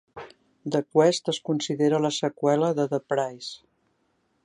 "The Quest" es considera la seqüela de "The Prize".